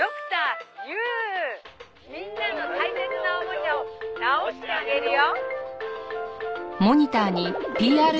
「みんなの大切なおもちゃを直してあげるよ！」